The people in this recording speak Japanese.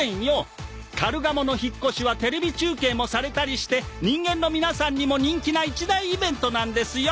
カルガモの引っ越しはテレビ中継もされたりして人間の皆さんにも人気な一大イベントなんですよ